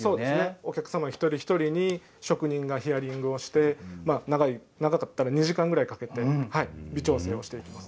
お客様一人一人に職人がヒアリングをして長かったら２時間ぐらいかけて微調整しています。